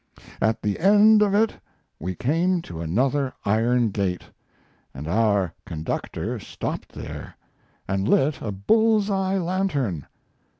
At the end of it we came to another iron gate, and our conductor stopped there and lit a bull's eye lantern.